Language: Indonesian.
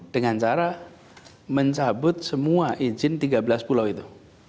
dengan cara mencabut semua izin tiga belas pulau itu